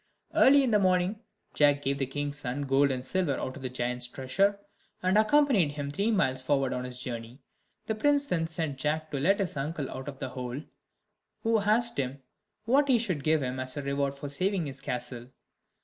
Early in the morning, Jack gave the king's son gold and silver out of the giant's treasure, and accompanied him three miles forward on his journey. The prince then sent Jack to let his uncle out of the hole, who asked him what he should give him as a reward for saving his castle.